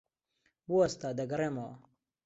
بوەستە. دەگەڕێمەوە.